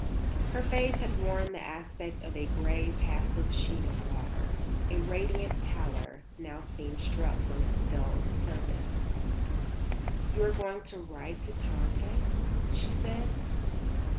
Her face had worn the aspect of a grey, passive sheet of water; a radiant pallor now seemed struck from its dulled surface. "You are going to write to Tante?" she said.